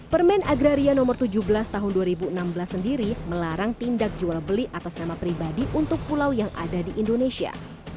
permen agraria no tujuh belas tahun dua ribu enam belas sendiri melarang tindak jual beli atas nama pribadi untuk pulau yang ada di indonesia